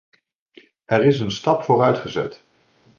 Er is een stap vooruit gezet.